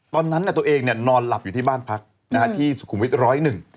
ตอนนั้นตัวเองนอนหลับอยู่ที่บ้านพักที่สุขุมวิทย์๑๐๑